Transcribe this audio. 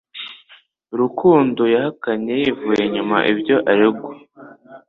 Rukundo yahakanye yivuye inyuma ibyo aregwa